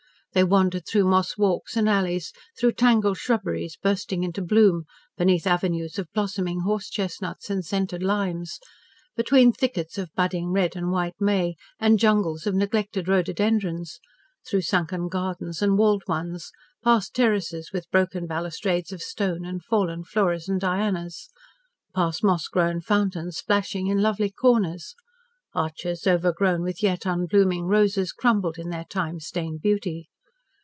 They wandered through moss walks and alleys, through tangled shrubberies bursting into bloom, beneath avenues of blossoming horse chestnuts and scented limes, between thickets of budding red and white may, and jungles of neglected rhododendrons; through sunken gardens and walled ones, past terraces with broken balustrades of stone, and fallen Floras and Dianas, past moss grown fountains splashing in lovely corners. Arches, overgrown with yet unblooming roses, crumbled in their time stained beauty.